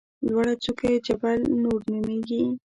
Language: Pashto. لوړه څوکه یې جبل نور نومېږي.